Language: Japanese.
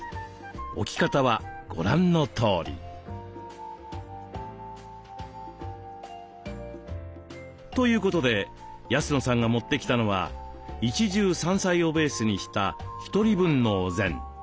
置き方はご覧のとおり。ということで安野さんが持ってきたのは一汁三菜をベースにした１人分のお膳。